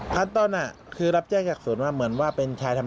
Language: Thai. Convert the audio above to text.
พัดต้นน่ะคือรับจ้างจักรภูมิภาพเหมือนว่าเป็นชายทำ